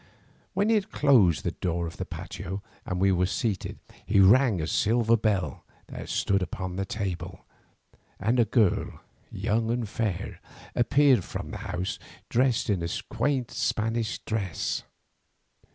When he had closed the door of the patio and we were seated, he rang a silver bell that stood upon the table, and a girl, young and fair, appeared from the house, dressed in a quaint Spanish dress.